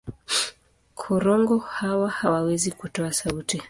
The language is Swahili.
Korongo hawa hawawezi kutoa sauti.